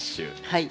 はい。